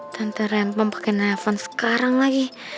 tante rempom pakein telepon sekarang lagi